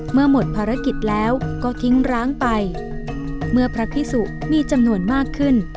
หมดภารกิจแล้วก็ทิ้งร้างไปเมื่อพระพิสุมีจำนวนมากขึ้น